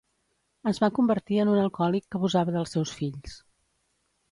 Es va convertir en un alcohòlic que abusava dels seus fills.